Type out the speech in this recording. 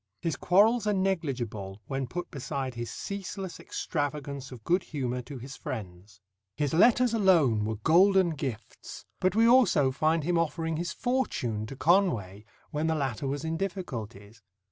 His quarrels are negligible when put beside his ceaseless extravagance of good humour to his friends. His letters alone were golden gifts, but we also find him offering his fortune to Conway when the latter was in difficulties.